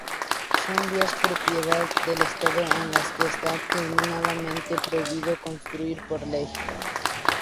Son vías propiedad del Estado en las que está terminantemente prohibido construir por ley.